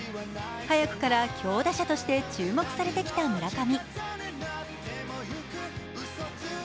早くから強打者として注目されてきた村上。